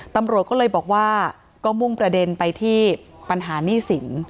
ตำรวจก็เลยบอกว่าก็มุ่งประเด็นไปที่ปัญหาหนี้สิน